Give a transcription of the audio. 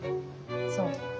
そう。